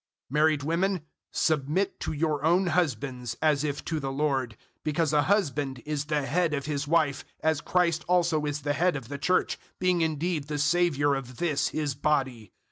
005:022 Married women, submit to your own husbands as if to the Lord; 005:023 because a husband is the Head of his wife as Christ also is the Head of the Church, being indeed the Saviour of this His Body.